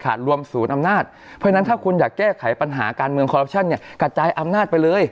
เพราะฉะนั้นถ้าคุณอยากแก้ไขปัญหาการเมืองคอรัพชันเนี่ยกระจายอำนาจไปเลย